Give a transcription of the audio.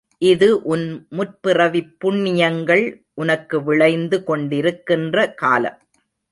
இது உன் முற்பிறவிப் புண்ணியங்கள் உனக்கு விளைந்து கொண்டிருக்கின்ற காலம்.